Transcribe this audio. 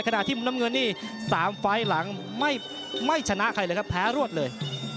ขณะที่มุมน้ำเงินนี่๓ไฟล์หลังไม่ชนะใครเลยครับแพ้รวดเลย